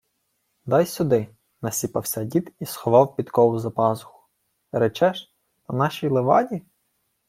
— Дай сюди — насіпався дід і сховав підкову за пазуху. — Речеш, на нашій леваді?